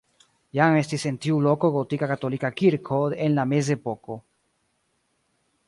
Jam estis en tiu loko gotika katolika kirko en la mezepoko.